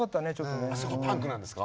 そこパンクなんですか？